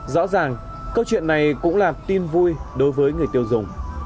rõ ràng câu chuyện này cũng là tin vui đối với người tiêu dùng